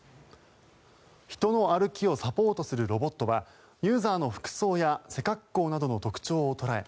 人の歩きをサポートするロボットはユーザーの服装や背格好などの特徴を捉え